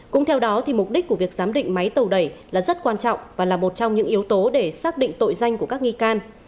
cũng theo đó thì mục đích của việc giám định máy tàu đẩy là rất quan trọng và là một trong những yếu tố để xác định tội danh của các nghi can